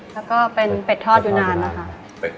แล้วก็เป็นเป็ดทอดอยู่นานแล้วค่ะ